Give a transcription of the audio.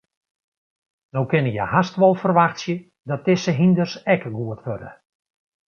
No kinne je hast wol ferwachtsje dat dizze hynders ek goed wurde.